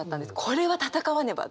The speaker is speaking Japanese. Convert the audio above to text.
これは闘わねば！